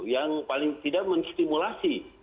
yang paling tidak menstimulasi